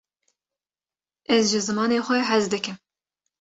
ez ji zimanê xwe hez dikim